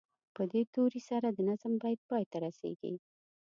په دې توري سره د نظم بیت پای ته رسیږي.